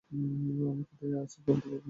আমি কোথায় আছি বলতে পারব না।